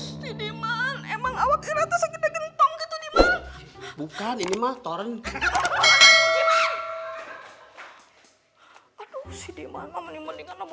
usti diman emang gak mau ngomong keles mah nyairah demenang nih buat keles